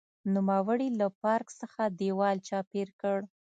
نوموړي له پارک څخه دېوال چاپېر کړ.